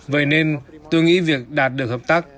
vậy nên tôi nghĩ việc đạt được hợp tác